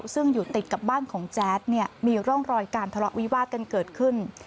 ซึ่งอยู่ติดกับบ้านของแจ๊ดเนี่ยมีร่องรอยการทะเลาะวิวาดกันเกิดขึ้น